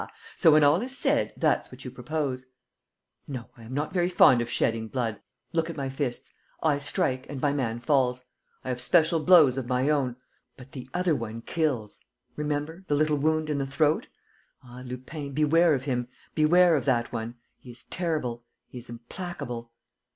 So, when all is said, that's what you propose?" "No, I am not very fond of shedding blood. ... Look at my fists: I strike ... and my man falls. ... I have special blows of my own. ... But the other one kills ... remember ... the little wound in the throat. ... Ah, Lupin, beware of him, beware of that one! ... He is terrible, he is implacable.